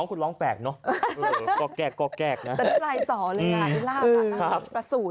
อืมครับ